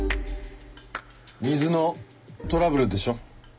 水のトラブルでしょ。